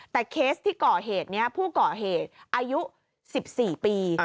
แต่เคสที่ก่อเหตุนี้ผู้ก่อเหตุอายุ๑๔ปี